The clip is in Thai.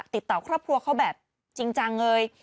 ติดต่อครอบครัวเขาแบบจริงจังเลย